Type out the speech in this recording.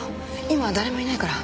今誰もいないから。